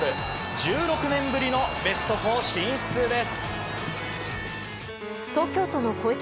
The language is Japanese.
１６年ぶりのベスト４進出です。